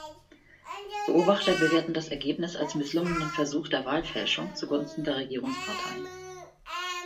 Beobachter bewerten das Ergebnis als misslungenen Versuch der Wahlfälschung zugunsten der Regierungspartei.